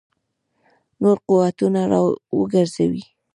نور قوتونه را وګرځوي.